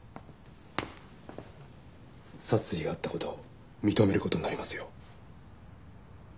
殺意があった事を認める事になりますよ。